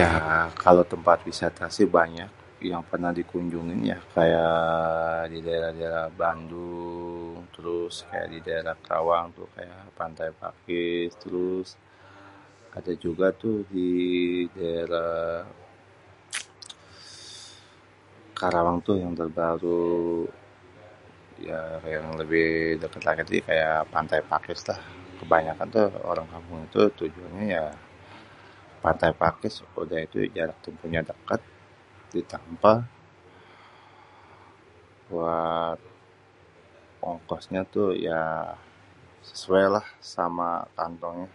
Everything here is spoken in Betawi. Ya kalo tempat wisata si banyak yang pernah dikunjungi ya kaya di daerah-daerah Bandung trus kaya di daerah Karawang tuh Pantai Pakis trus ada juga tuh di daerah Karawang tuh yang terbaru, ya yang lebih deket lagi kaya Pantai Pakis lah kebanyakan tuh orang-orang kampung tujuannye ya Pantai Pakis udeh jarak tempuhnye deket ditambeh buat ongkosnya tuh ya sesuailah sama kantongnye.